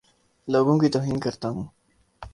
لوگوں کی توہین کرتا ہوں